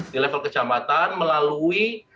di level kecamatan melalui